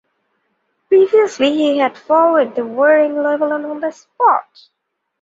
Previously he had followed the war in Lebanon on the spot.